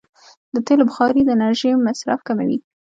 د تېلو بخاري د انرژۍ مصرف کموي.